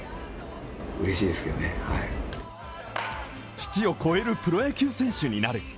父を超えるプロ野球選手になる。